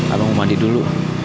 abang mau mandi dulu